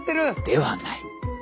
ではない！